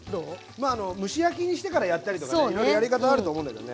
まあ蒸し焼きにしてからやったりとかねいろいろやり方あると思うんだけどね。